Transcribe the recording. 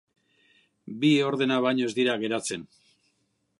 Bi ordena baino ez dira geratzen.